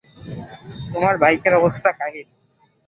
তোমার বাইকের অবস্থা কাহিল।